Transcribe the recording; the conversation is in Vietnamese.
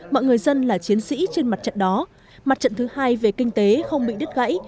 mọi người dân là chiến sĩ trên mặt trận đó mặt trận thứ hai về kinh tế không bị đứt gãy